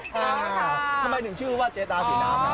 ทำไมถึงชื่อว่าเจดาสีน้ำ